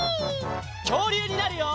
きょうりゅうになるよ！